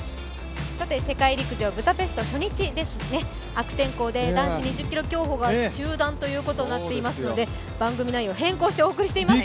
悪天候で男子２０ｋｍ競歩が中断ということになっていますので番組内容を変更してお送りしています。